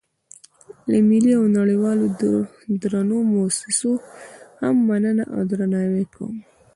له ملي او نړیوالو درنو موسسو هم مننه او درناوی کوم.